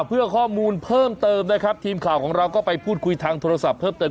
เพื่อข้อมูลเพิ่มเติมนะครับทีมข่าวของเราก็ไปพูดคุยทางโทรศัพท์เพิ่มเติม